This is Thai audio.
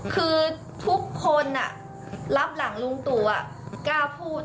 คือทุกคนรับหลังลุงตู่กล้าพูด